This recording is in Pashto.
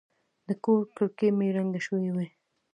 د کور کړکۍ مې رنګه شوې وې.